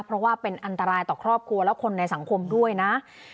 เพราะว่าเป็นอันตรายต่อครอบครัวและคนในสังคมด้วยนะ